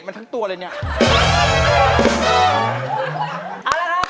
จัดสารต่อ